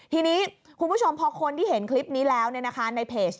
ทีนี้คุณผู้ชมพอคนที่เห็นคลิปนี้แล้วในเพจ